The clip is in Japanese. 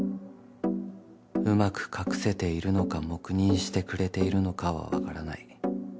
うまく隠せているのか黙認してくれているのかはわからない。